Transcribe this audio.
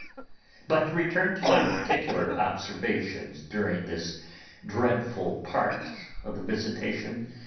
But to return to my particular observations during this dreadful part of the visitation.